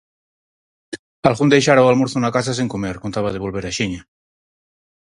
Algún deixara o almorzo na casa sen comer, contaba de volver axiña.